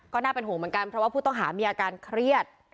ก็น่าเป็นห่วงเหมือนกันเพราะว่าผู้ต้องหามีอาการเครียด